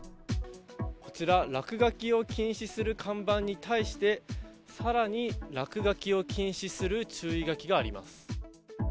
こちら、落書きを禁止する看板に対して、さらに落書きを禁止する注意書きがあります。